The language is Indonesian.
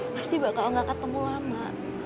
pasti bakal gak ketemu lama